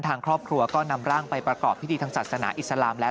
ทางครอบครัวก็นำร่างไปประกอบพิธีทางศาสนาอิสลามแล้ว